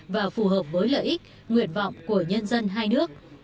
và phù hợp với lợi ích nguyện vọng của nhân dân hai nước